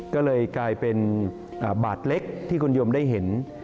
ก็เลยกลายเป็นบาทเล็กที่คุณโยมได้เห็น